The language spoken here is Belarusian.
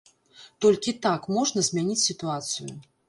Толькі так можна змяніць сітуацыю.